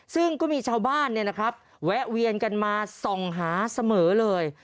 ซึ่งก็มีชาวบ้านแวะเวียนกันมาส่องหาเสมอเลย